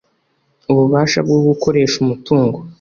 ububasha bwo gukoresha umutungo